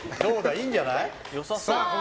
いいんじゃない？